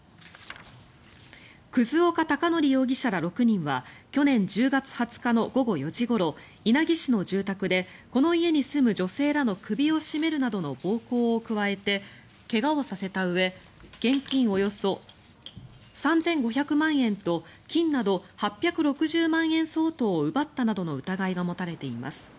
葛岡隆憲容疑者ら６人は去年１０月２０日の午後４時ごろ稲城市の住宅でこの家に住む女性らの首を絞めるなどの暴行を加えて怪我をさせたうえ現金およそ３５００万円と金など８６０万円相当を奪ったなどの疑いが持たれています。